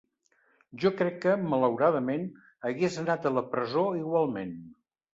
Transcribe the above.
Jo crec que, malauradament, hagués anat a la presó igualment.